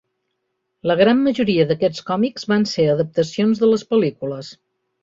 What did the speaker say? La gran majoria d'aquest còmics van ser adaptacions de les pel·lícules.